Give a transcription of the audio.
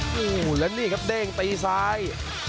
โอ้โหแล้วนี่ครับเด้งตีซ้าย